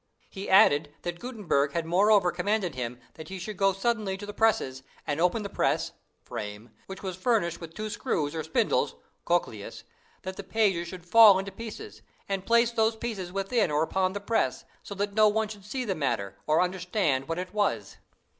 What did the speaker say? He added that Gutenberg had moreover commanded him that he should go suddenly to the presses, and open that press [frame] which was furnished with two screws or spindles (cochleis) that the pages should fall into pieces, and place those pieces within or upon the press, so that no one should see the matter, or understand what it was.